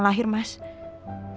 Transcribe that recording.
kemana firasat kamu yang waktu itu